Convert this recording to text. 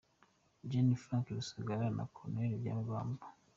Gen. Frank Rusagara Na Col. Byabagamba